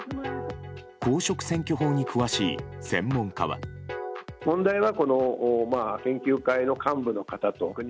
公職選挙法に詳しい専門家は。